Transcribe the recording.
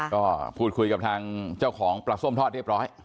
ก็พูดคุยกับทางเจ้าของปลาส้มทอดเรียบร้อย